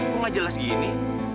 kok nggak jelas gini